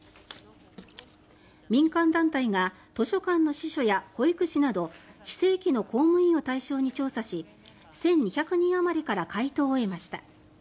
民間団体が図書館の司書や保育士など非正規の公務員を対象に調査し１２００人あまりから回答を得ました。